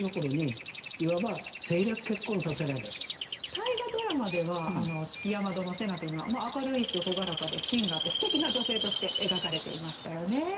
大河ドラマでは築山殿瀬名というのは明るいし朗らかで芯があってすてきな女性として描かれていましたよね。